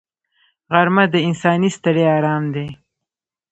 غرمه د انساني ستړیا آرام دی